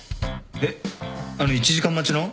えっあの１時間待ちの？